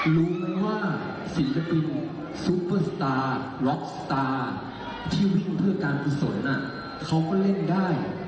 รู้ไหมว่าศิลปินซูเปอร์สตาร์ล็อกสตาร์ที่วิ่งเพื่อการกุศลเขาก็เล่นได้